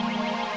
terima kasih ya